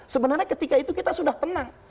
sebenarnya ketika itu kita sudah tenang